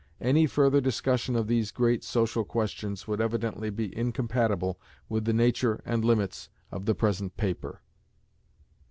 Any further discussion of these great social questions would evidently be incompatible with the nature and limits of the present paper.